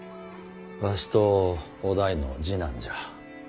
わしと於大の次男じゃ。